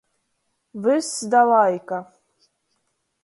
Vyss da laika.